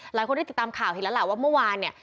หลายคนได้ติดตามข่าวเห็นแล้วล่ะว่าเมื่อวานเนี่ย